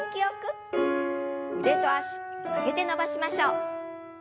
腕と脚曲げて伸ばしましょう。